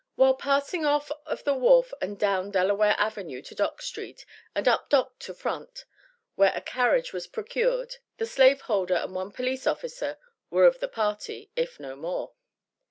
While passing off of the wharf and down Delaware avenue to Dock st., and up Dock to Front, where a carriage was procured, the slaveholder and one police officer were of the party, if no more.